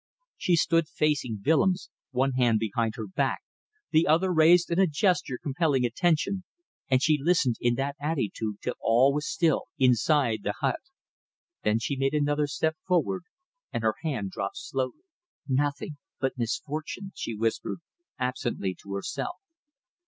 She stood facing Willems, one hand behind her back, the other raised in a gesture compelling attention, and she listened in that attitude till all was still inside the hut. Then she made another step forward and her hand dropped slowly. "Nothing but misfortune," she whispered, absently, to herself.